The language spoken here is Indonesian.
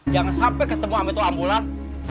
jangan sampai ketemu amit amit ambulan